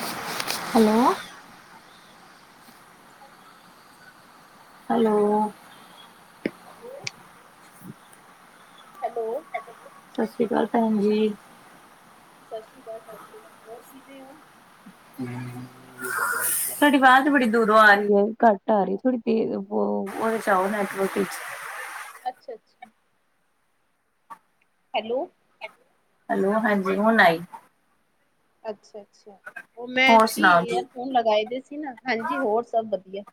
Hello ਸਤਿ ਸ਼੍ਰੀ ਅਕਾਲ ਜੀ ਹੈਲੋ। ਸਤਿ ਸ਼੍ਰੀ ਅਕਾਲ ਜੀ। ਹੈਲੋ। ਹੈਲੋ। ਸਤਿ ਸ਼੍ਰੀ ਅਕਾਲ ਭੈਣ ਜੀ। ਸਤਿ ਸ਼੍ਰੀ ਅਕਾਲ। ਸਤਿ ਸ਼੍ਰੀ ਅਕਾਲ। ਹੋਰ ਕਿਵੇਂ ਹੋ? [unintelligible] ਤਾਡੀ ਵਾਜ ਬੜੀ ਦੂਰੋਂ ਆ ਰਹੀ ਏ ਘੱਟ ਆ ਰਹੀ ਥੋੜੀ ਤੇਜ਼ ਓਦੇ ਚ ਆਓ ਨੈਟਵਰਕ ਇਚ। ਅੱਛਾ ਅੱਛਾ। ਹੈਲੋ। ਹੈਲੋ ਹਾਂਜੀ ਹੁਣ ਆਈ। ਅੱਛਾ ਅੱਛਾ। ਓਹ ਮੈਂ ਹੋਰ ਕੀ ਸੁਣਾਓ ਜੀ ਏਅਰਫੋਨ ਲਗਾਏ ਦੇ ਸੀ ਨਾ। ਹਾਂਜੀ ਹੋਰ ਸਭ ਵਧੀਆ।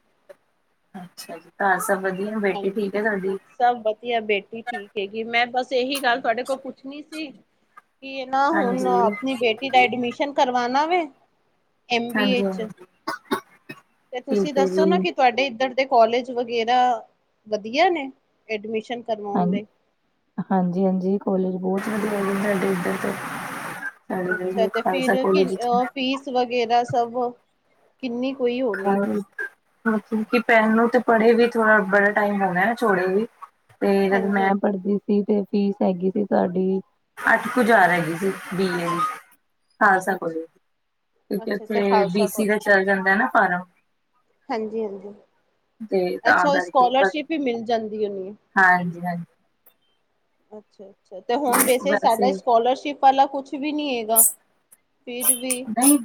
ਅੱਛਾ ਜੀ। ਘਰ ਸਭ ਵਧੀਆ ਬੇਟੀ ਹਾਂਜੀ ਠੀਕ ਐ ਤਾਡੀ? ਸਭ ਵਧੀਆ। ਬੇਟੀ ਠੀਕ ਹੈਗੀ ਮੈਂ ਬਸ ਏਹੀ ਗੱਲ ਤੁਹਾਡੇ ਕੋਲੋਂ ਪੁੱਛਣੀ ਸੀ। ਕੀਏ ਨਾ ਹੁਣ ਹਾਂਜੀ ਅਪਣੀ ਬੇਟੀ ਦਾ ਐਡਮਿਸ਼ਨ ਕਰਵਾਣਾ ਵੇ ਐਮ ਬੀ ਏ ਹਾਂਜੀ ਚ। ਹਾਂਜੀ ਤੇ ਤੁਸੀ ਠੀਕ ਹੈ ਦੱਸੋ ਨਾ ਜੀ ਕਿ ਤੁਹਾਡੇ ਇਧਰ ਦੇ ਕਾੱਲੇਜ ਵਗੈਰਾ ਵਧੀਆ ਨੇ ਐਡਮਿਸ਼ਨ ਹਾਂ ਕਰਵਾਉਣ ਲਈ ਹਾਂਜੀ ਹਾਂਜੀ ਕਾੱਲੇਜ ਬੋਤ ਵਧੀਆ ਹੈਗੇ ਸਾਡੇ ਇਧਰ ਤੇ। ਅੱਛਾ ਤੇ ਫਿਰ ਕਿ [unintelligible] ਫੀਸ ਵਗੈਰਾ ਸਭ ਕਿੰਨੀ ਕੋਈ ਹਾਂ ਹੋਣੀ ਕੀ ਸੁਖੀ ਪੈਨ ਨੁੰ ਤੇ ਪੜੇ ਵੀ ਥੋੜਾ ਬੜਾ ਟਾਇਮ ਹੋਣਾ ਛੋੜੇ ਵੀ। ਤੇ ਜਦ ਮੈਂ ਹਾਂਜੀ ਪੜ੍ਹਦੀ ਤੇ ਫੀਸ ਹੈਗੀ ਸੀ ਤਾਡੀ। ਅੱਠ ਕੁ ਜ਼ਾਰ ਹੈਗੀ ਸੀ ਬੀਏ ਦੀ। ਖਾਲਸਾ ਅੱਛਾ ਕੋਲੇਜ। ਕਿਉਂਕਿ ਅੱਛਾ ਅੱਛਾ ਓਥੇ ਖਾਲਸਾ ਬੀਸੀ ਕੋਲਜ ਦਾ ਚੱਲ ਜਾਂਦਾ ਐ ਨਾ ਫਾਰਮ। ਹਾਂਜੀ ਹਾਂਜੀ। ਤੇ ਤਾਂ ਅੱਛਾ ਓ ਕਰਕੇ ਬਸ ਸਕੋਲਰਸ਼ਿਪ ਵੀ ਮਿਲ ਜਾਂਦੀ ਹੋਣੀ ਏ ਉਂਨੂੰ। ਹਾਂਜੀ ਹਾਂਜੀ। ਅੱਛਾ ਅੱਛਾ। ਤੇ ਹੁਣ ਵੈਸੇ ਸਾਡਾ ਸਕੋਲਰਸ਼ਿਪ ਵਾਲਾ ਕੁਛ ਵੀ ਨੀ ਹੈਗਾ। ਫਿਰ ਵੀ। ਨਹੀਂ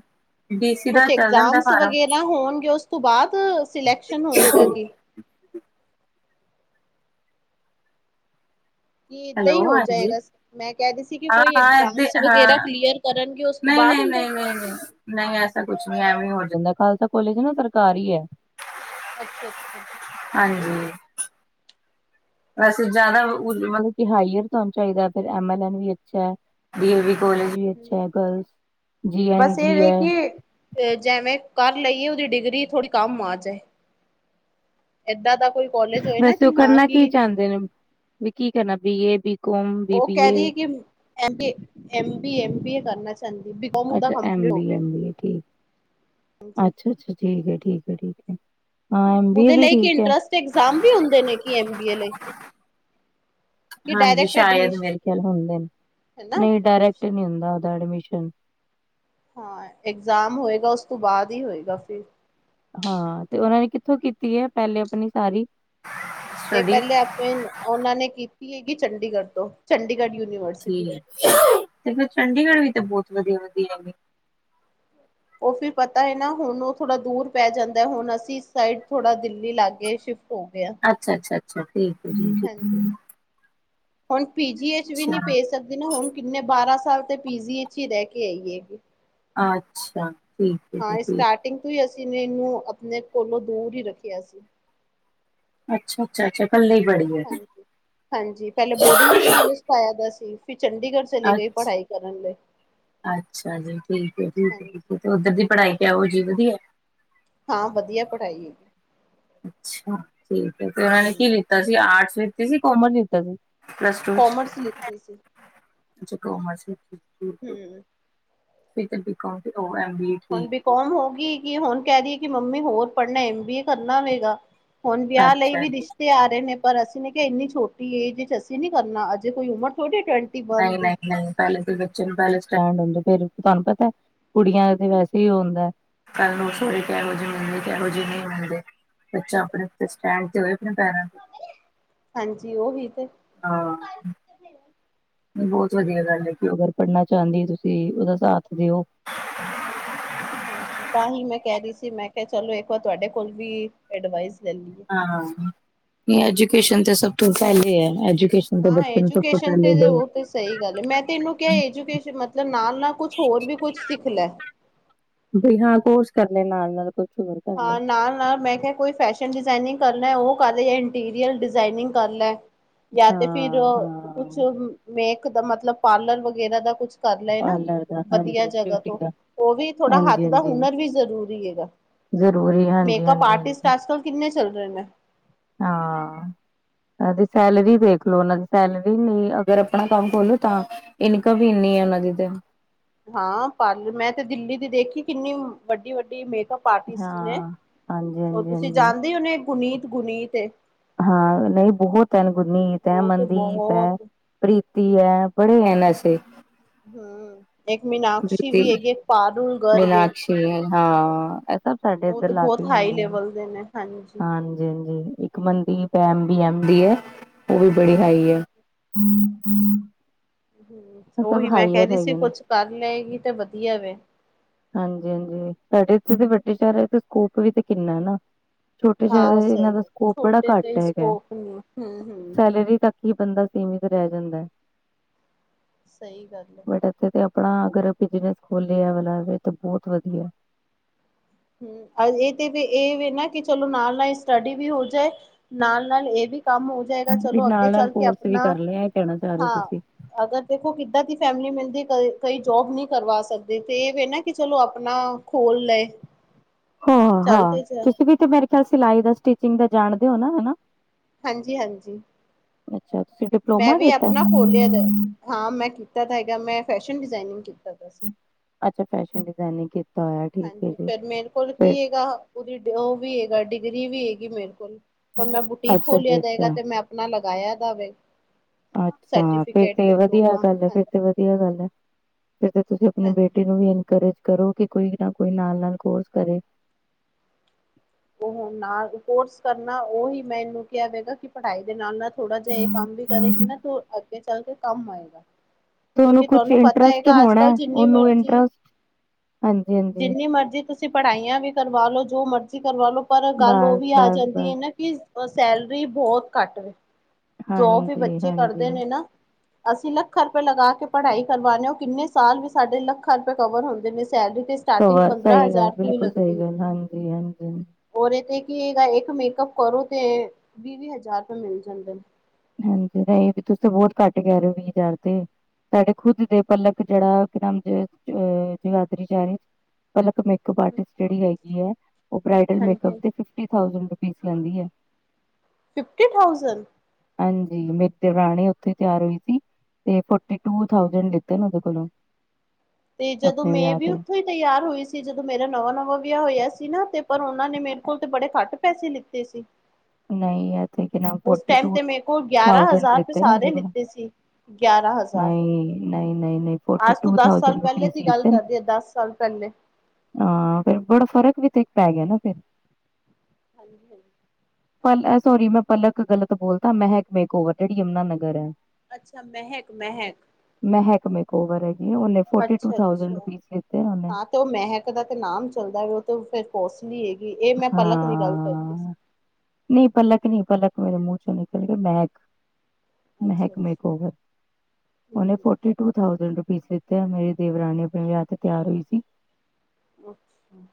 ਡੀ ਸੀ ਦਾ ਕੁਛ ਚੱਲ ਜਾਂਦਾ ਐਸਾਮਸ ਫਾਰਮ ਵਗੈਰਾ ਹੋਣਗੇ ਓਸ ਬਾਦ ਸਿਲੈਕਸ਼ਨ ਹੋਏਗਾ ਕਿ? ਕਿ ਏਦਾਂ ਹੈਲੋ ਈ ਹੋ ਹਾਂਜੀ ਜਾਏਗਾ ਮੈਂ ਕਹਿ ਰੀ ਸੀ ਕਿ ਕੋਈ ਐਸਾਮਸ ਵਗੈਰਾ ਕਲੀਅਰ ਕਰਨਗੇ ਉਸ ਤੋਂ ਨਈ ਬਾਅਦ ਨਈ ਹੁੰਦਾ ਨਈ ਨਈ ਸਿਲੈਕਸ਼ਨ? ਨਈ। ਨਈ ਐਸਾ ਕੁਛ ਨੀ ਐਵੇਂ ਹੋ ਜਾਂਦਾ। ਖਾਲਸਾ ਕੋਲੇਜ ਨਾ ਸਰਕਾਰੀ ਐ। ਅੱਛਾ ਅੱਛਾ। ਹਾਂਜੀ। ਵੈਸੇ ਜਿਆਦਾ ਮਤਲਬ ਕਿ, ਹਾਈਅਰ ਅੱਪ ਤੁਆਨੂੰ ਚਾਹੀਦਾ। ਫੇਰ ਐਮਾਜੋਨ ਵੀ ਅੱਛਾ ਐ। ਡਿਗਰੀ ਕੋਲੇਜ ਵੀ ਹਮ ਅੱਛਾ ਐ ਗਰਲਸ। ਜੀ ਐਨ ਜੀ ਐ। ਫੇਰ ਜੈਵੇਂ ਕਰ ਲਈਏ ਓਦੀ ਡਿਗਰੀ ਥੋੜੀ ਕੰਮ ਆ ਜਾਏ। ਏਦਾਂ ਦਾ ਕੋਈ ਕੋਲਜ ਹੋਏ ਨਾ ਕਿ ਹਾਂ ਕੀ ਫੇਰ ਵੀ ਕੀ ਕਰਨਾ ਬੀ ਏ, ਬੀ ਕੋਮ ਬੀ ਉਹ ਬੀ ਕਹਿ ਰੀ ਏ ਕਿ, M B A, M B A, M B A ਕਰਨਾ। ਚਾਹੁੰਦੀ ਬੀਕੋਮ ਉਹਦਾ ਅੱਛਾ ਏਮ ਕੰਪਲੀਟ ਹੋ ਬੀ ਏ, ਗਿਆ ਐਮ ਬੀ ਏ, ਠੀਕ। ਹਾਂਜੀ ਅੱਛਾ ਅੱਛਾ ਠੀਕ ਏ, ਠੀਕ ਏ, ਠੀਕ ਏ। ਹਾਂ ਐਮ ਬੀ ਊਦੇ ਵੀ ਲਈ ਨੀਕਿ ਠੀਕ ਹੈ। ਇੰਟਰੈਂਸਟ ਐਗਜ਼ਾਮ ਵੀ ਹੁੰਦੇ ਨੇ ਕਿ ਐਮ ਬੀ ਏ ਲਈ? ਕਿ ਹਾਂਜੀ। ਡਾਇਰੈਕਟ ਸ਼ਾਇਦ ਐਡਮਿਸ਼ਨ ਮੇਰੇ ਖਿਆਲ ਹੁੰਦੇ ਨੇ, ਹੈਨਾ ਨਈ ਡਾਇਰੈਕਟ ਨੀ ਹੁੰਦਾ, ਓਦਾ ਐਡਮਿਸ਼ਨ। ਹਾਂ। ਇਗਜ਼ਾਮ ਹੋਏਗਾ, ਉਸ ਤੋਂ ਬਾਅਦ ਈ ਹੋਏਗਾ ਫਿਰ। ਹਾਂ। ਤੇ ਔਨਾਂ ਨੇ ਕਿੱਥੋਂ ਕੀਤੀ ਏ ਪਹਿਲੇ ਆਪਣੀ ਸਾਰੀ। ਏਹ ਸਟੱਡੀ ਪਹਿਲੇ ਅਪਣੇ ਓਨਾਂ ਨੇ ਕੀਤੀ ਹੈਗੀ ਚੰਡੀਗੜ੍ਹ ਤੋਂ ਚੰਡੀਗੜ੍ਹ ਯੂਨੀਵਰਸਿ ਠੀਕ ਏ। ਤੇ ਫੇਰ ਚੰਡੀਗੜ੍ਹ ਵੀ ਤੇ ਬੋਤ ਵਧੀਆ ਵਧੀਆ ਹੈਗੇ। ਓ ਫਿਰ ਪਤਾ ਐ ਨਾ। ਹੁਣ ਓਹ ਥੋੜਾ ਦੂਰ ਪੈ ਜਾਂਦਾ ਐ। ਹੁਣ ਅਸੀ ਇਸ ਸਾਈਡ ਥੋੜਾ ਦਿੱਲੀ ਲਾਗੇ ਸ਼ਿਫ ਅੱਛਾ! ਅੱਛਾ! ਅੱਛਾ! ਠੀਕ ਹੈ ਜੀ, ਠੀਕ। ਹਾਂਜੀ। ਹੁਣ ਪੀ ਜੀ ਏ ਚ ਵੀ ਨਹੀਂ ਅੱਛਾ, ਭੇਜ ਸਕਦੇ ਨਾ ਹੁਣ! ਕਿੰਨੇ, ਬਾਰਾਂ ਸਾਲ ਤੇ ਪੀ ਜੀ, ਏ ਵਿਚ ਹੀ ਰਹਿ ਕੇ ਆਈ ਹੈਗੀ। ਅੱਛਾ! ਠੀਕ ਹੈ ਜੀ ਹਾਂ। ਠੀਕ ਸਟਾਰਟਿੰਗ ਤੋਂ ਹੀ, ਅਸੀਂ ਇਹਨੂੰ ਆਪਣੇ ਕੋਲੋਂ ਦੂਰ ਹੀ ਰੱਖਿਆ ਸੀ। ਅੱਛਾ! ਅੱਛਾ! ਅੱਛਾ! ਕੱਲੀ ਪੜੀਏ ਹਾਂਜੀ। ਹਾਂਜੀ ਪਹਿਲੇ ਬੋਰਡਿੰਗ ਸਕੂਲ [inaudible] ਵਿੱਚ ਪਾਇਆ ਦਾ ਸੀ। ਫ ਚੰਡੀਗੜ੍ਹ ਚਲੇ ਗਈ ਅੱਛ! ਪੜ੍ਹਾਈ ਕਰਨ ਲਈ। ਅੱਛਾ ਜੀ! ਠੀਕ ਹੈ, ਠੀਕ ਹੈ, ਠੀ ਹਾਂਜੀ। ਤੇ ਉੱਧਰ ਦੀ ਪੜ੍ਹਾਈ ਕਿਹੋ ਜਿਹੀ, ਵਧੀਆ ਐ। ਹਾਂ, ਵਧੀਆ ਪੜ੍ਹਾਈ ਹੈਗੀ। ਅੱਛਾ ਠੀਕ ਹੈ, ਤੇ ਉਹਨਾਂ ਨੇ ਹੂੰ ਕੀ ਲਿੱਤਾ ਸੀ, ਆਰਟਸ ਲਿੱਤੀ ਸੀ, ਕੋਮਰਸ ਲਤਾ ਸੀ? ਪਲੱਸ ਟੂ, ਕਾਮਰਸ ਲਿੱਤੀ ਸੀ ਅੱਛਾ ਕਮਰਸ ਵੀ ਕੀਤੀ ਹੂੰ। ਐਮ ਬੀ ਏ ਹੁਣ ਠੀਕ। ਬੀ ਕੋਮ ਹੋ ਗਈ, ਕਿ ਹੁਣ ਕਹਿ ਰ ਕਿ ਮੰਮੀ, ਹੋਰ ਪੜ੍ਹਨਾ, ਐਮ ਬੀ ਏ ਕਰਨਾ ਹੋਵੇਗਾ! ਹੁਣ ਹੈ। ਵਿਆਹ ਲਈ ਅੱਛਾ ਵੀ ਰਿਸ਼ਤੇ ਆ ਰਹੇ ਨੇ, ਪਰ ਅਸੀਂ ਮੈਂ ਕਿਹਾ, ਇੰਨੀ ਛੋਟੀ ਏਜ ਚ ਅਸੀਂ ਨੀ ਕਰਨਾ! ਅਜੇ ਕੋਈ ਉਮਰ ਥੋੜੀ ਟ ਨਹੀਂ, ਨਹੀਂ, ਨਹੀਂ! ਪਹਿਲੇ ਬੱਚੇ ਨੂੰ ਪਹਿਲੇ ਸਟੈਂਡ ਹੋਣ ਦੋ। ਫਿਰ ਤੁਹਾਨੂੰ ਪਤਾ ਕੁੜੀਆਂ ਤੇ ਵੈਸੇ ਹੀ ਹੁੰਦਾ। ਕੱਲ੍ਹ ਨੂੰ ਸੋਹਰੇ ਕਿਹੋ ਜਿਹੇ ਮਿਲਦੇ, ਕਿਹੋ ਜਿਹੇ ਨਹੀਂ ਮਿਲਦੇ। ਬੱਚਾ ਆਪਣੇ ਸਟੈਂਡ ਤੇ ਹੋਏ, ਆਪਣੇ ਪੈਰਾਂ ਤੇ। ਹਾਂਜੀ ਓਹੀ ਤੇ। ਹਾਂ। ਬੋਤ ਵਧੀਆ ਗੱਲ ਏ ਕਿ ਅਗਰ ਪੜ੍ਹਨਾ ਚਾਂਦੀ ਤੁਸੀ ਓਦਾ ਸਾਥ ਦਿਓ। ਹਾਂਜੀ। ਤਾਂ ਹੀ ਮੈਂ ਕਹਿ ਰਹੀ ਸੀ, ਮੈਂ ਕਿਹਾ ਚਲੋ ਇੱਕ ਵਾਰ ਤੁਹਾਡੇ ਕੋਲ ਵੀ ਐਡਵਾਈਸ ਲੈਲੀ ਹਾਂ! ਨੀ ਐਜੂਕੇਸ਼ਨ, ਤਾ ਸਭ ਤੋਂ ਪਹਿਲੇ ਐਜੂਕੇਸ਼ਨ ਤੇ ਹਾਂ। ਬੱਚੇ ਨੂੰ ਸਭ ਤੋਂ ਐਜੂਕੇਸ਼ਨ ਪਹਿਲੇ ਤੇ ਦੋ। ਉਹ ਤੇ ਸਹੀ ਗੱਲ ਹੈ, ਮੈਂ ਤੇ ਇਹਨੂੰ ਕਿਹਾ ਐਜੂਕੇਸ਼ਨ, ਮਤਲਬ ਨਾਲ-ਨਾਲ ਕੁਛ ਹੋਰ ਵੀ ਕੁਛ ਸਿੱਖ ਲੈ। ਜੀ ਹਾਂ, ਕੋਰਸ ਕਰ ਲੇ ਨਾਲ-ਨਾਲ ਕੋਈ। ਹਾਂ, ਨਾਲ-ਨਾਲ ਮੈਂ ਕਿਹਾ, ਕੋਈ ਫੈਸ਼ਨ ਡਿਜ਼ਾਇਨਿੰਗ ਕਰਨ ਲੈਉਹ ਕਰ ਲੈ, ਇੰਟੀਰੀਅਰ ਡਿਜ਼ਾਇਨਿੰਗ ਕਰ ਲੈ, ਯਾ ਤੇ ਫਿਰ ਹਾਂ ਕੁਛ ਹਾਂ। ਮੇਕ ਦਾ, ਮਤਲਬ ਪਾਰਲਰ ਵਗੈਰਾ ਦਾ ਕੁਛ। ਕਰ ਲਏ ਨਾ, ਪਾਰਲਰ ਦਾ ਵਧੀਆ ਹਾਂਜੀ ਜਗ੍ਹਾ ਬਿਊਟੀ ਤੋਂ, ਦਾ ਉਹ ਵੀ ਥੋੜਾ ਹਾਂਜੀ ਹੱਥ ਦਾ ਹਾਂਜੀ। ਹੁਨਰ, ਵੀ ਜ਼ਰੂਰੀ ਹੈਗਾ। ਜ਼ਰੂਰੀ ਹੈ। ਮੇਕਅੱਪ ਆਰਟਿਸਟ, ਅੱਜ-ਕੱਲ੍ਹ ਕਿੰਨੇ ਚੱਲ ਰਹੇ ਨੇ। ਹਾਂ। ਦੀ ਸੈਲਰੀ ਦੇਖ ਲਉ, ਉਹਨਾਂ ਦੀ ਸੈਲਰੀ ਨ੍ਹੀ, ਅਗਰ ਆਪਣਾ ਕੰਮ ਖੋਲੋ ਤਾਂ। ਇਨਕਮ, ਵੀ ਇੰਨੀ ਹੈ ਉਹਨਾਂ ਦੀ ਤੇ। ਹਾਂ, ਪਾਰਲਰ, ਮੈਂ ਤੇ ਦਿੱਲੀ ਦੀ ਦੇਖੀ, ਕਿੰਨੀ ਵੱਡੀ-ਵੱਡੀ ਮੇਕਅੱਪ ਆਰਟਿਸਟ ਨੇ ਹਾਂ ਹਾਂਜੀ ਉਹ, ਹਾਂਜੀ ਤੁਸੀਂ ਹਾਂਜੀ ਜਾਣਦੇ ਹੋਣੇ, ਗੁਨੀਤ, ਗੁਨੀਤ? ਹਾਂ, ਨਹੀਂ, ਬਹੁਤ ਐ, ਨ ਗੁਰਨੀਤ ਹੈ, ਉਹ ਤੇ ਮਨਦੀਪ ਹੈ। ਬਹੁਤ ਪ੍ਰੀਤੀ ਹੈ, ਬੜੇ ਹੈ ਨ ਐਸੇ। ਹਮਮ, ਇੱਕ ਮੀਨਾਕਸ਼ੀ ਵੀ ਹੈਗੀ ਏ ਪਾਰੂਲ ਗਰਗ ਮਿਨਾਕਸ਼ੀ ਹਾਂ, ਇਹ ਤਾਂ ਸਾਡੇ, ਉਹ ਇੱਧਰ ਤੇ ਲਾਗੇ ਬਹੁਤ ਹੀ ਹਾਈ ਹੁੰਦੀਆਂ, ਨ ਲੈਵਲ ਦੇ ਨੇ ਹਾਂਜੀ -ਹਾਂਜੀ। ਇੱਕ Mandeep, M B- M B ਹੈ, ਉਹ ਵੀ ਬੜੀ ਹਾਈ ਹੈ। ਸਭ ਉਹੀ ਮੈਂ ਕਹਿ ਹਾਈਅਰ ਰਹੀ ਸੀ, ਹੈਗੇ ਨੇ ਕੁਛ ਕਰ ਲਏਗੀ ਤੇ ਵਧੀਆ ਵੇ। ਹਾਂਜੀ-ਹਾਂਜੀ, ਸਾਡੇ ਇੱਥੇ ਦੇ ਵੱਡੇ ਸ਼ਹਿਰਾਂ ਚ, ਸਕੋਪ ਵੀ ਤੇ ਕਿੰਨਾ ਨਾ। ਛੋਟੇ ਹਾਂ ਉਹ ਸ਼ਹਿਰਾਂ ਚ, ਇਹਨਾਂ ਸਹੀ ਦਾ ਗੱਲ, ਸਕੋਪ ਬੜਾ ਛੋਟੇ ਘੱਟ ਤੇ ਹੈਗਾ, ਸਕੋਪ ਨੀ ਹੂੰ-ਹੂੰ ਸੈਲਰੀ ਤੱਕ ਹੀ ਬੰਦਾ, ਸੀਮਿਤ ਰਹਿ ਜਾਂਦਾ ਹੈ। ਸਹੀ ਗੱਲ ਹੈ। ਜੇ ਤੇ, ਆਪਣਾ ਅਗਰ, ਬਿਜਨਸ ਖੋਲਿਆ ਐ ਵਾਲਾ, ਤਾਂ ਬਹੁਤ ਵਧੀਆ। ਹਮ, ਇਹ ਤੇ ਵੀ, ਇਹ ਵੇ ਨਾ ਕਿ ਚਲੋ, ਨਾਲ-ਨਾਲ ਸਟੱਡੀ ਵੀ ਹੋ ਜਾਏ। ਨਾਲ-ਨਾਲ, ਇਹ ਵੀ ਕੰਮ ਹੋ ਜਾਏਗਾ, ਵੀ ਚਲੋ ਅੱਗੇ ਨਾਲ ਨਾਲ ਚੱਲ ਕੇ ਕੋਰਸ ਵੀ ਆਪਣਾ ਕਰ ਲਿਆ ਇਹ ਕਹਿਣਾ ਚਾਹ ਰਹੇ ਹੋ ਹਾਂ ਤੁਸੀਂ ਅਗਰ ਦੇਖੋ, ਕਿੱਦਾਂ ਦੀ ਫੈਮਿਲੀ ਮਿਲਦੀ ਕ, ਕਈ ਜੋਬ ਨਹੀਂ ਕਰਵਾ ਸਕਦੇ, ਤੇ ਇਹ ਵੇ ਨਾ ਕਿ ਚਲੋ ਆਪਣਾ ਖੋਲ੍ਹ ਲਏ ਚੱਲ ਹਾਂ, ਤੇ ਜਾ ਤੁਸੀਂ ਵੀ ਮੇਰੇ ਖਿਆਲ ਸਿਲਾਈ ਦਾ ਸਟਿਚਿੰਗ ਦਾ ਜਾਣਦੇ ਹੋ ਨਾ, ਹੈਨਾ? ਹਾਂਜੀ -ਹਾਂਜੀ। ਅੱਛਾ, ਤੁਸੀਂ ਡਿਪਲੋਮਾ ਕੀਤਾ? ਖੋਲਿਆ ਦਾ ਹਾਂ, ਮੈਂ ਕੀਤਾ ਤਾਂ ਹੈਗਾ, ਮੈਂ ਫੈਸ਼ਨ ਡਿਜ਼ਾਇਨਿੰਗ ਕੀਤਾ ਦਾ ਸੀ। ਅੱਛਾ, ਫੈਸ਼ਨ ਡਿਜ਼ਾਇਨਿੰਗ ਕੀ ਹਾਂਜੀ, ਪਰ ਮੇਰੇ ਕੋਲ ਕੀ ਹੈਗਾ। ਉਹਦੀ, ਉਹ ਵੀ ਹੈਗਾ, ਡਿਗਰੀ ਵੀ ਹੈਗੀ ਮੇਰੇ ਕੋਲ, ਹੁਣ ਮੈਂ ਬੁਟੀਕ ਅੱਛਾ ਖੋਲਿਆ ਜੀ ਜਾਏਗਾ ਅੱਛਾ ਤੇ ਮੈਂ ਆਪਣਾ ਲਗਾਇਆ ਦਾ ਵੇ। ਅੱਛਾ, ਫੇਰ ਸਰਟੀਫਿਕੇਟ ਤੇ ਵਧੀਆ ਡਿਪਲੋਮਾ ਗੱਲ ਹੈ, ਫੇਰ ਹਾਂਜੀ ਤੇ ਵਧੀਆ ਗੱਲ ਹੈ। ਫਿਰ ਤੇ ਤੁਸੀਂ, ਆਪਣੇ ਹਾਂਜੀ ਬੇਟੀ ਨੂੰ ਵੀ ਇਨਕਰੇਜ ਕਰੋ ਕਿ, ਕੋਈ ਨਾ ਕੋਈ, ਨਾਲ -ਨਾਲ ਕੋਰਸ ਕਰੇ। ਉਹ ਨਾਲ ਕੋਰਸ ਕਰਨਾ, ਉਹੀ ਮੈ ਇਹਨੂੰ ਕਿਹਾ, ਮੈਂ ਕਿਹਾ ਕਿ, ਪੜ੍ਹਾਈ ਦੇ ਨਾਲ -ਨਾਲ ਥੋੜਾ ਜਿਹਾ, ਇਹ ਕੰਮ ਵੀ ਕਰੇਗੀ ਨਾ ਤੌ ਅੱਗੇ ਚੱਲ ਕੇ ਕੰਮ ਆਏਗਾ। ਤੇ ਉਹਨੂੰ ਕਿਉਂਕਿ ਕੁਛ ਤੁਹਾਨੂੰ ਪਤਾ ਇੰਟਰਸਟ ਹੈਗਾ ਅੱਜ ਹੋਣਾ, ਕੱਲ ਜਿੰਨੀ ਉਹਨੂੰ ਮਰਜ਼ੀ ਇੰਟਰਸਟ ਹਾਂਜੀ -ਹਾਂਜੀ ਜਿੰਨੀ ਮਰਜ਼ੀ ਤੁਸੀਂ ਪੜ੍ਹਾਈਆਂ ਵੀ, ਕਰਵਾ ਲਉ, ਜੋ ਮਰਜ਼ੀ ਕਰਵਾ ਲਉ ਪਰ ਗੱਲ ਬਸ ਉਹ ਹੀ ਆ ਬਸ ਜਾਂਦੀ ਬਸ ਹੈ, ਨਾ ਕਿ, ਸੈਲਰੀ ਬਹੁਤ ਘੱਟ ਵੇ, ਜੋਬ ਵੀ ਹਾਂਜੀ ਬੱਚੇ ਹਾਂਜੀ ਕਰਦੇ ਨੇ ਨਾ ਅਸੀਂ ਲੱਖਾਂ ਰੁਪਏ ਲੱਗਾ ਕੇ, ਪੜ੍ਹਾਈ ਕਰਵਾਉਦੇ ਹਾਂ, ਉਹ ਕਿੰਨੇ ਸਾਲ ਵੀ, ਸਾਡੇ ਲੱਖਾਂ ਰੁਪਏ ਕਵਰ ਹੁੰਦੇ ਨੀ ਸੈਲਰੀ ਤੇ। ਸਟਾਰਟਿੰਗ ਕਵਰ, ਪੰਦਰਾਂ ਸਹੀ ਗੱਲ, ਹਜ਼ਾਰ ਤੋਂ ਹੀ ਬਿਲਕੁਲ ਲੱਗਦੀ ਸਹੀ ਗੱਲ, ਹੈਗੀ ਹਾਂਜੀ-ਹਾਂਜੀ। ਔਰ ਇਹ ਤੇ ਕਿ ਇਹਦਾ ਇੱਕ ਮੇਕਅਪ ਕਰੋ, ਤੇ ਵੀਹ- ਵੀਹ ਹਜ਼ਾਰ ਰੁਪਏ ਮਿਲ ਜਾਂਦੇ ਨ। ਹਾਂਜੀ, ਨਹੀਂ ਇਹ ਵੀ, ਤੁਸੀ ਤੇ ਬਹੁਤ ਘੱਟ ਕਹਿ ਰਹੇ ਹੋ, ਵੀਹ ਹਜ਼ਾਰ ਤੇ। ਸਾਡੇ ਖੁਦ ਦੇ ਪਲਕ, ਜਿਹੜਾ ਕਿ ਨਾਮ ਜਗਾਧਰੀ ਚ ਹੈ, ਪਲਕ ਮੇ ਮੇਕਅੱਪ ਆਰਟਿਸ ਜਿਹੜੀ ਹੈਗੀ ਆ, ਉਹ ਬਰਾਇਡਲ ਮੇਕਅੱਪ ਹਾਂਜੀ ਦੇ, ਫਿਫਟੀ ਥਾਊਜੈੰਡ ਰੁਪੀਜ਼ ਲੈਂਦੀ ਆ ਫਿਫਟੀ ਥਾਊਜੈਂਡ? ਹਾਂਜੀ, ਮੇਰੀ ਦੇਵਰਾਣੀ ਉੱਥੇ ਤਿਆਰ ਹੋਈ ਸੀ। ਤੇ, ਫੋਰਟੀ ਟੂ ਥਾਊਜੈੰਡ, ਲਿਤੇ ਨੇ ਉਹਦੇ ਕੋਲੋਂ। ਤੇ, ਜਦੋਂ ਆਪਣੇ ਮੈਂ ਵਿਆਹ ਵੀ ਤੇ ਉੱਥੋਂ ਹੀ ਤਿਆਰ ਹੋਈ ਸੀ। ਜਦੋਂ ਮੇਰਾ ਨਵਾਂ ਨਵਾਂ ਵਿਆਹ ਹੋਇਆ ਸੀ ਨਾ ਤੇ ਪਰ ਉਹਨਾਂ ਨੇ, ਮੇਰੇ ਕੋਲ ਤੇ ਬੜੇ ਘੱਟ ਪੈਸੇ ਲਿੱਤੇ ਸੀ। ਨਹੀਂ ਇਥੇ ਕਿ ਨਾ, ਉਸ ਫੋਰਟੀ ਟਾਈਮ ਟੂ ਤੇ ਮੇਰੇ ਕੋਲ ਗਿਆਰਾਂ ਥਾੳਜੈ ਹਜ਼ਾਰ ਰੁਪਏ ਲੱਤੇ ਨੇ ਸਾਰੇ ਮੇਰੇ ਕੋਲੋਂ। ਲਿੱਤੇ ਸੀ। ਗਿਆਰਾਂ ਹਜ਼ਾਰ ਨਹੀਂ ਨਹੀਂ, ਨਹੀਂ ਨਹੀਂ, ਫੋਰਟੀ ਅੱਜ ਤੋਂ ਟੂ ਦਸ ਸਾਲ ਥਾਜੈਂਡ ਪਹਿਲੇ ਰੁਪੀਜ਼ ਦੀ ਗੱਲ ਲੱਤੇ ਨੇ। ਕਰਦੀ ਆ ਦਸ ਸਾਲ ਪਹਿਲੇ। ਹਾਂ। ਫਿਰ ਬੜਾ ਫ਼ਰਕ ਵੀ ਤੇ ਪੈ ਗਿਆ ਨਾ ਫੇਰ। ਹਾਂਜੀ -ਹਾਂਜੀ। ਪਲ ਸੋਰੀ ਮੈਂ ਪਲਕ ਗਲਤ ਬੋਲਤਾ। ਮਹਿਕ ਮੇਰੇ ਕੋਲ, ਜਿਹੜੀ ਯਮੁਨਾ ਨਗਰ ਐ। ਅੱਛਾ। ਮਹਿਕ-ਮਹਿਕ ਮਹਿਕ ਮੇਰੇ ਕੋਲ ੳਵਰ ਹੈਗੀ। ਉਹਨੇ ਅੱਛਾ ਫੋਰਟੀ-ਟੂ-ਥਾਜੂਡ ਅੱਛਾ। ਰੁਪੀਜ਼ ਲਿਤੇ ਉਹਨੇ। ਹਾਂ ਤੇ ਉਹ ਮਹਿਕ ਦਾ ਤੇ ਨਾਮ ਚੱਲਦਾ। ਉਹ ਤੇ ਫਿਰ ਕੋਸਲੀ ਹੈਗੀ। ਇਹ ਮੈਂ ਪਲਕ ਦੀ ਗੱਲ ਕਰਦੀ ਸੀ। ਹਾਂ ਨਹੀਂ ਪਲਕ ਨਹੀਂ, ਪਲਕ ਮੇਰੇ ਮੂੰਹ ਚੋਂ ਨਿਕਲਹ ਗੀ। ਮਹਿਕ ਅੱਛਾ ਮਹਿਕ ਮੇਰੇ ਕੋਲ ਹੈ। ਉਹਨੇ ਫੋ ਅੱਛਾ। ਫੋਰਟੀ-ਟੂ-ਥਾਜੂਡ, ਰੁਪੀਜ਼ ਲੱਤੇ ਉਹਨੇ, ਮੇਰੀ ਦੇਵਰਾਨੀ ਆਪਣੇ ਵਿਆਹ ਤਿਆਰ ਹੋਈ ਸੀ। ਅੱਛਾ।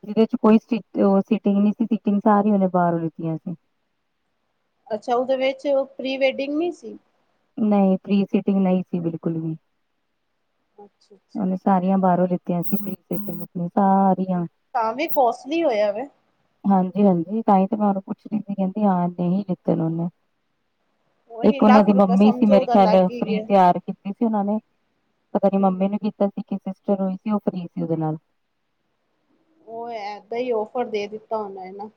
ਜਹਦੇ ਚ ਕੋਈ ਸੀਟਿੰਗ ਨ ਸੀ, ਸੀਟਿੰਗ ਸਾਰੀ ਉਹਨੇ ਬਾਹਰੋਂ ਲਿੱਤੀਆਂ ਸੀ। ਅੱਛਾ। ਉਹਦੇ ਵਿੱਚ ਪ੍ਰੀ ਵੈਡਿੰਗ ਨੀ ਸੀ। ਨਹੀਂ ਪ੍ਰੀ ਸੀਟਿੰਗ ਨਹੀਂ ਸੀ ਬਿਲਕੁਲ ਵੀ ਅੱਛਾ- ਅੱਛਾ। ਉਹਨੇ ਸਾਰੀਆਂ ਬਾਹਰੋਂ ਲਿੱਤੀਆਂ ਸੀ ਸ ਤਾਂ ਵੀ ਕੋਸਟਲੀ ਹੋਇਆ ਵੇ ਹਾਂਜੀ -ਹਾਂਜੀ ਤਾਂਹੀ ਤੇ ਮੈਂ ਉਹਨੂੰ ਪੁੱਛਦੀ ਪੀਆ। ਕਹਿੰਦੀ ਏਹੀ ਲੱਤੇ ਉਹਨੇ। ਉਹੀ ਇੱਕ ਉਹਨਾਂ ਲੱਖ ਦੀ ਰੁਪਇਆ ਮੰਮੀ ਸੀ। ਸਮਝੋ ਮੇਰੇ ਉਹਦਾ ਖਿਆਲ ਲੱਗ ਹੀ ਫਰੀ ਗਿਆ। ਤਿਆਰ ਕੀਤੀ ਸੀ ਉਹਨਾਂ ਨੇ, ਪਤਾ ਨੀ ਮੰਮੀ ਨੂੰ ਕੀਤੀ ਇੱਕ ਸਿਸਟਰ ਹੋਈ ਸੀ। ਉਹ ਫਰੀ ਸੀ, ਉਹਦੇ ਨਾਲ ਉਹ ਏਦਾਂ ਹੀ ਔਫਰ ਦੇ ਦਿੱਤਾ ਹੋਣਾ ਨਾ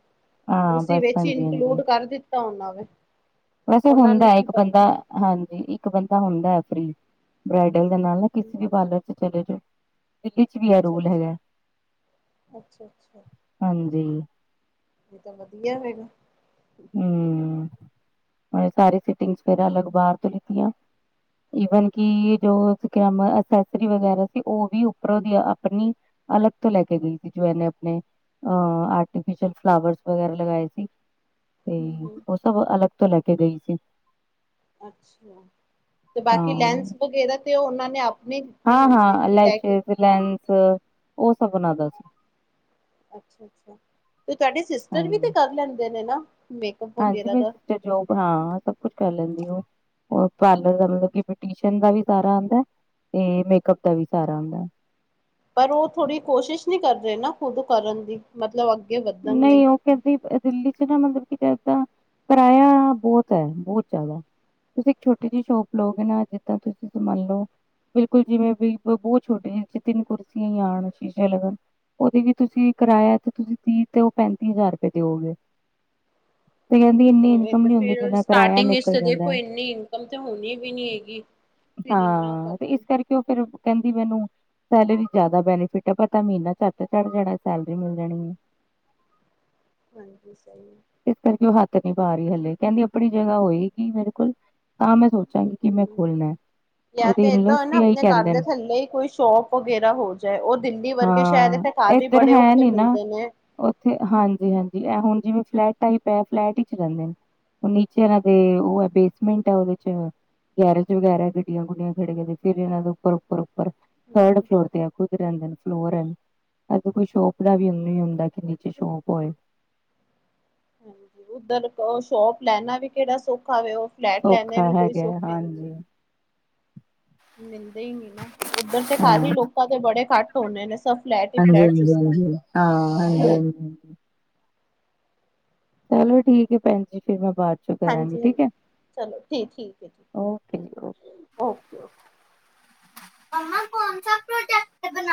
ਹਾਂ ਉਸ ਬਸ ਵਿੱਚ ਈ ਹਾਂਜੀ ਹਾਂਜੀ ਇਨਕਲੂਡ ਕਰ ਦਿੱਤਾ ਉਹਨਾਂ ਨੇ, ਵੈਸੇ ਉਹਨਾਂ ਨੂੰ ਹੁੰਦਾ ਕੀ ਇੱਕ ਪਤਾ ਬੰਦਾ ਹਾਂਜੀ। ਇੱਕ ਬੰਦਾ ਹੁੰਦਾ ਹੈ ਫਰੀ, ਬ੍ਰੈਡਲ ਦੇ ਨਾਲ ਨਾ ਕਿਸੇ ਵੀ ਪਾਰਲਰ ਚ ਚਲੇ ਜਾਓ ਦਿੱਲੀ ਚ ਵੀ ਇਹ ਰੂਲ ਹੈਗਾ ਅੱਛਾ-ਅੱਛਾ-ਅੱਛਾ-ਅੱਛਾ। ਹਾਂਜੀ। ਇਹ ਤਾਂ ਵਧੀਆ ਹੈਗਾ। ਹੂੰ, ਸਾਰੀ ਸਿਟਿੰਗ ਫੇਰ ਅਲਗ ਬਾਹਰ ਤੋਂ ਲਿੱਤੀਆਂ। ਈਵਨ ਕਿ ਜੋ, ਅਸੈਸਰੀ ਵਗੈਰਾ ਸੀ। ਉਹ ਵੀ ਉੱਪਰੋਂ ਦੀ ਆਪਣੀ ਅਲੱਗ ਤੋਂ ਲੈ ਕੇ ਗਈ ਸੀ। ਜੋ ਇਹਨੇ ਆਪਣੇ ਅ- ਆਰਟੀਫਿਸ਼ਲ ਫਲਾਵਰ ਵਗੈਰਾ ਲਗਾਏ ਸੀ। ਹਮ ਤੇਈ, ਹਮ ਉਹ ਸਭ ਅਲੱਗ ਤੋਂ ਲੈ ਕੇ ਗਈ ਸੀ। ਅੱਛਾ। ਤੇ ਹਾਂ ਬਾਕੀ ਲੈਂਸ ਵਗੈਰਾ ਤੇ ਉਹਨਾਂ ਨੇ ਆ ਨਹੀਂ ਦਿੱਤੇ ਹਾਂ ਹੋਣੇ ਨੇ, ਹਾਂ ਕੀ ਕਹਿ ਕੇ ਲੈਸ਼ਿਸ ਲੈਂਸ, ਉਹ ਸਭ ਬਣਾਦਾ ਸੀ। ਅੱਛਾ-ਅੱਛਾ। ਤੇ ਤੁਹਾਡੇ ਸਿਸਟਰ ਵੀ ਹਾਂਜੀ ਤੇ ਕਰ ਲੈਂਦੇ ਨੇ ਨਾ? ਮੇਕਅਪ ਹਾਂਜੀ, ਵਗੈਰਾ ਮੇਰੀ ਦਾ ਸਿਸਟਰ ਜੋਬ ਹਾਂ। ਸਭ ਕੁਛ ਕਰ ਲੈਂਦੀ ਓ। ਪਾਰਲਰ ਦਾ ਬੂਟੀਸ਼ਨ ਦਾ ਵੀ ਸਾਰਾ ਆਉਂਦਾ। ਤੇ ਮੇਕਅਪ ਦਾ ਵੀ ਸਾਰਾ ਆਦਾ ਐਂ। ਪਰ ਉਹ ਥੋੜ੍ਹੀ ਕੋਸ਼ਿਸ਼ ਨਹੀਂ ਕਰ ਰਹੇ ਨਾ। ਖੁਦ ਕਰਨ ਦੀ, ਮਤਲਬ ਅੱਗੇ ਵੱਧਣ ਲਈ। ਨਹੀਂ ਉਹ ਕਹਿੰਦੀ ਦਿੱਲੀ ਚ ਨਾ, ਮਤਲਬ ਕੀ ਏਦਾ ਕਿਰਾਇਆ ਬਹੁਤ ਹੈ, ਬਹੁਤ ਜ਼ਿਆਦਾ। ਤੁਸੀਂ ਇੱਕ ਛੋਟੀ ਜਿਹੀ ਸ਼ੋਪ ਲਓਗੇ ਨਾ। ਜਿੱਦਾਂ ਤੁਸੀਂ ਮਨ ਲੋ। ਬਿਲਕੁਲ, ਜਿਵੇਂ ਵੀ ਬਹੁਤ ਛੋਟੇ ਸਿਰਫ ਤਿੰਨ ਕੁਰਸੀਆਂ ਹੀ ਆਉਣ ਕਹਿਲੋ। ਉਹਦੇ ਵੀ ਤੁਸੀਂ ਕਿਰਇਆ। ਤੇ ਤੁਸੀਂ ਤੀਹ ਤੇ ਉਹ ਪੈਂਤੀ ਹਜ਼ਾਰ ਰੁਪਏ ਦਿਓਗੇ਼। [inaudible] ਇਹ ਤੇ ਹੁੰਦੀ ਫੇਰ ਜਿੰਨਾ ਕਿਰਾਇਆ ਸਟਾਰਟਿੰਗ ਵਿਚ, ਨਿਕਲ ਇਸ ਜਾਂਦਾ। ਦੇਖੋ ਇੰਨੀ ਇਨਕਮ ਤੇ ਹੋਣੀ ਵੀ ਨੀ ਹੈਗੀ ਫਿਰ ਇੰਨਾ ਹਾਂ। ਤੇ ਇਸ ਕਰਕੇ ਉਹ ਫੇਰ ਕਹਿੰਦੀ ਮੈਨੂੰ ਸੈਲਰੀ ਜ਼ਿਆਦਾ ਬੈਨੀਫਿਟ ਆ। ਪਤਾ ਮਹੀਨਾ ਝੱਟ ਚੜ ਜਾਣਾ, ਸੈਲਰੀ ਮਿਲ ਜਾਣੀ ਏ। ਹਾਂਜੀ ਸਹੀ ਹੈ। ਇਸ ਕਰਕੇ ਉਹ ਹੱਥ ਨਹੀਂ ਪਾ ਰਹੀ ਹਲੇੇ, ਕਹਿੰਦੀ ਆਪਣੀ ਜਗ੍ਹਾ ਹੋਏਗੀ ਮੇਰੇ ਕੋਲ ਤਾਂ ਮੈਂ ਸੋਚਾਂਗੀ ਕਿ ਮੈਂ ਖੋਲਣਾ। ਯਾਂ ਉਹਦੇ ਤੇ ਇਨਲਸ ਏਦਾਂ ਨਾ ਵੀ ਆਹੀ ਆਪਣੇ ਘਰ ਕਹਿੰਦੇ ਦੇ ਨੇ ਥੱਲੇ ਹੀ ਕੋਈ ਸ਼ੋਪ ਵਗੈਰਾ ਹੋ ਜਾਏ। ਉਹ ਦਿੱਲੀ ਵਰਗੇ ਸ਼ਹਿਰ ਹਾਂ ਆ ਵੀ ਇੱਧਰ ਬੜੇ ਹੈ ਔਖੇ ਨੀ ਨਾ ਮਿਲਦੇ ਨੇ। ਉੱਥੇ ਹਾਂਜੀ-ਹਾਂਜੀ ਐ ਹੁਣ ਜਿਵੇਂ ਫਲੈਟ ਟਾਈਪ ਹੈ ਫਲੈਟ ਚ ਰਹਿੰਦੇ ਨੇ। ਨੀਚੇ ਏਨਾ ਦੇ ਉਹ ਹੈ ਬੇਸਮੈਂਟ ਹੈ ਉਹਦੇ ਚ ਗੈਰੇਜ ਵਗੈਰਾ ਗੱਡੀਆਂ ਗੁੱਡੀਆਂ ਖੜੇ ਗਏ ਫਰ ਇਹਨਾਂ ਦੇ ਉੱਪਰ-ਉੱਪਰ-ਉੱਪਰ ਠਰਡ ਫਲੋਰ ਤੇ ਆ ਰਹਿੰਦੇ ਫਲੋਰ ਅ [unintelligible] ਕੋਈ ਸ਼ੋਪ ਦਾ ਵੀ ਉਹਨੂੰ ਹੀ ਹੁੰਦਾ ਕਿ ਨੀਚੇ ਸ਼ੋਪ ਹੋਏ ਹਾਂਜੀ ਉੱਧਰ ਸ਼ੋਪ ਲੈਣਾ ਵੀ ਕਿਹੜਾ ਸੌਖਾ ਵ, ਉਹ ਫਲੈਟ ਲੈਣੇ ਸੌਖਾ ਵੀ ਕੋਈ ਹੈਗਾ ਸੌਖੇ ਨਹੀਂ ਹਾਂਜੀ ਮਿਲਦੇ ਹੀ ਨੀ ਨਾ। ਉੱਧਰ ਤੇ ਹਾਂ ਘਰ ਹੀ ਲੋਕਾਂ ਦੇ ਬੜੇ ਘੱਟ ਹੋਣੇ ਨੇ, ਸਭ ਫਲੈਟ ਹੀ ਹਾਂਜੀ ਫਲੈਟ ਹਾਂਜੀ ਸਿਸ ਹਾਂਜੀ ਹਾਂ ਹ ਚਲੋ ਠੀਕ ਹੈ ਭੈਣ ਜੀ ਫੇਰ ਮੈਂ ਬਾਅਦ ਚੋਂ ਕਰਾਂਗੀ ਹਾਂਜੀ-ਹਾਂਜੀ, ਠੀਕ ਹੈ ਚਲੋ ਠੀ ਠੀਕ ਹੈ ਜੀ, ਓਕੇ-ਓਕੇ। ਮੱਮਾ ਕੋਨਸਾ ਪ੍ਰੋਡਕਟ ਬਨਾ